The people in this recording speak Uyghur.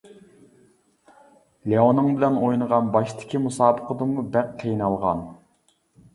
لياۋنىڭ بىلەن ئوينىغان باشتىكى مۇسابىقىدىمۇ بەك قىينالغان.